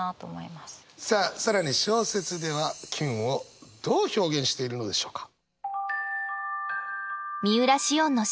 さあ更に小説ではキュンをどう表現しているのでしょうか？